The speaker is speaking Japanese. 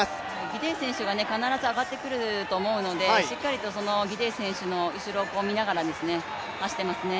ギデイ選手が必ず上がってくると思うのでしっかりとギデイ選手の後ろを見ながら走ってますね。